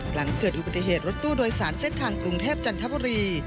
หลังเกิดอุบัติเหตุรถตู้โดยสารเส้นทางกรุงเทพจันทบุรี